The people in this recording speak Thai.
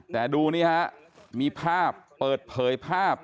แต่ดูนี่ฮะมีภาพเปิดเผยภาพ